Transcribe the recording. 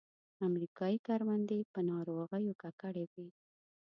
امریکایي کروندې په ناروغیو ککړې وې.